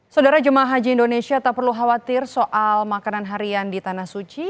saudara jemaah haji indonesia tak perlu khawatir soal makanan harian di tanah suci